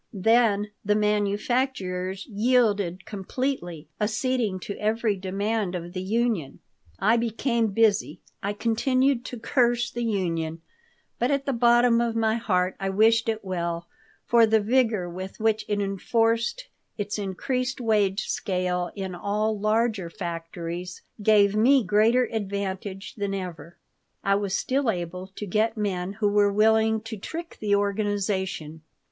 Then the manufacturers yielded completely, acceding to every demand of the union I became busy. I continued to curse the union, but at the bottom of my heart I wished it well, for the vigor with which it enforced its increased wage scale in all larger factories gave me greater advantages than ever. I was still able to get men who were willing to trick the organization.